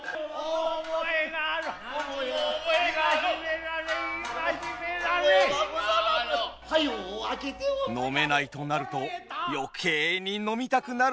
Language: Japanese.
飲めないとなると余計に飲みたくなるのが酒飲みの性。